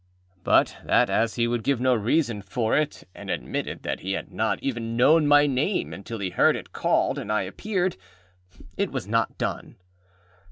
â But that, as he would give no reason for it, and admitted that he had not even known my name until he heard it called and I appeared, it was not done.